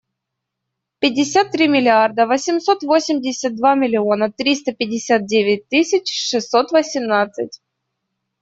Пятьдесят три миллиарда восемьсот восемьдесят два миллиона триста пятьдесят девять тысяч шестьсот восемнадцать.